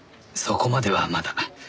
そこまではまだ。